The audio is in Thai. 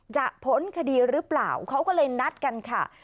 พ้นคดีหรือเปล่าเขาก็เลยนัดกันค่ะ